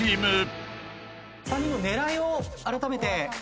３人の狙いをあらためて。